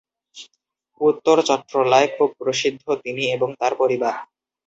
উত্তর চট্রলায় খুব প্রসিদ্ধ তিনি এবং তার পরিবার।